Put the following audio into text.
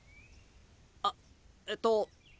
あえっと。